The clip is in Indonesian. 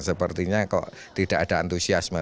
sepertinya kok tidak ada antusiasme